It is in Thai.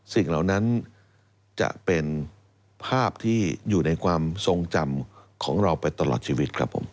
สิ่งเหล่านั้นจะเป็นภาพที่อยู่ในความทรงจำของเราไปตลอดชีวิตครับผม